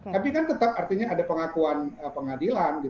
tapi kan tetap artinya ada pengakuan pengadilan